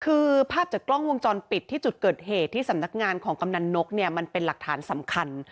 คือภาพจากกล้องวงจรปิดที่จุดเกิดเหตุที่สำนักงานของกำนันนกเนี่ยมันเป็นหลักฐานสำคัญ